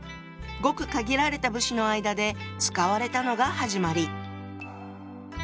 ごく限られた武士の間で使われたのが始まり。